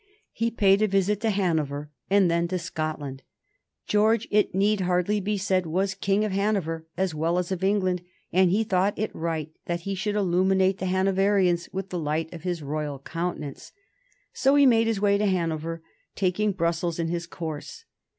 He paid a visit to Hanover, and then to Scotland. George, it need hardly be said, was King of Hanover as well as of England, and he thought it right that he should illumine the Hanoverians with the light of his royal countenance. So he made his way to Hanover, taking Brussels in his course.